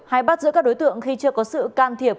hay bắt giữ các đối tượng khi chưa có sự can thiệp